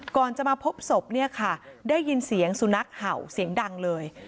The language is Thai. ก่อนจะมาพบศพเนี่ยค่ะได้ยินเสียงสุนัขเห่าเสียงดังเลย